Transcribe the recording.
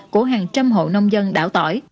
của hàng trăm hộ nông dân đảo tỏi